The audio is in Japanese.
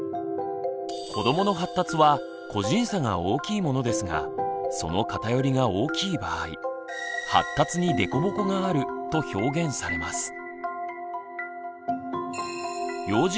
子どもの発達は個人差が大きいものですがその偏りが大きい場合「発達に凸凹がある」と表現されます。